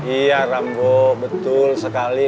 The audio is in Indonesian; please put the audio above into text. iya rambo betul sekali